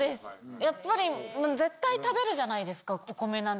やっぱり、絶対食べるじゃないですか、お米なんて。